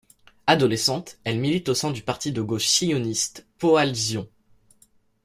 Adolescente, elle milite au sein du parti de gauche sioniste Poale Zion.